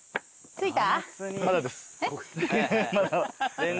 着いた？